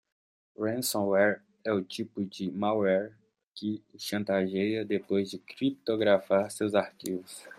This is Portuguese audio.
Ransomware é o tipo de malware que o chantageia depois de criptografar seus arquivos.